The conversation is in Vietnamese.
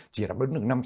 chỉ đáp ứng được năm sáu